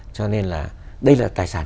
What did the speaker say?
cho nên là đây là tài sản